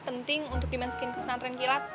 penting untuk dimasukin ke pesantren kilat